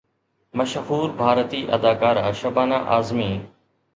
مشهور ڀارتي اداڪاره شبانه اعظمي